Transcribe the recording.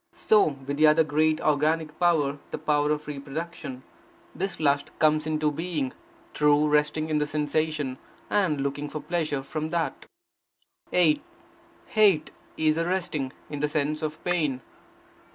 So with the other great organic power, the power of reproduction. This lust comes into being, through resting in the sensation, and looking for pleasure from that. 8. Hate is the resting in the sense of pain.